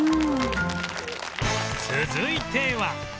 続いては